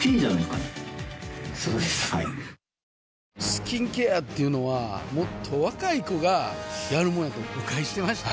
スキンケアっていうのはもっと若い子がやるもんやと誤解してました